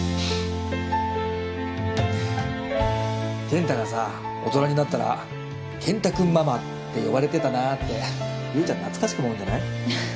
健太がさ大人になったら健太君ママって呼ばれてたなって侑ちゃん懐かしく思うんじゃない？